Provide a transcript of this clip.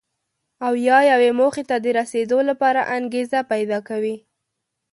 او یا یوې موخې ته د رسېدو لپاره انګېزه پیدا کوي.